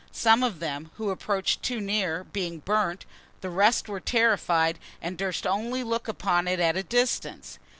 Some of them, who approached too near, being burnt, the rest were terrified, and durst only look upon it at a distance.